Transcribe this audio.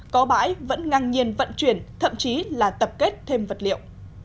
có bãi vẫn ngang nhiên vận chuyển thậm chí là tập kết thêm vật liệu